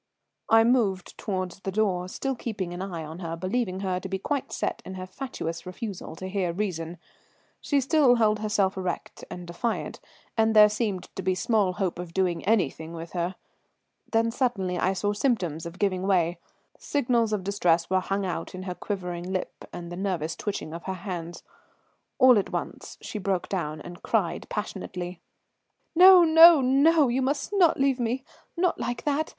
I moved towards the door, still keeping an eye on her, believing her to be quite set in her fatuous refusal to hear reason. She still held herself erect and defiant, and there seemed to be small hope of doing anything with her. Then suddenly I saw symptoms of giving way. Signals of distress were hung out in her quivering lip and the nervous twitching of her hands. All at once she broke down and cried passionately: "No, no, no; you must not leave me not like that.